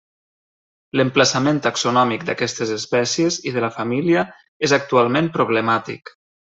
L'emplaçament taxonòmic d'aquestes espècies i de la família és actualment problemàtic.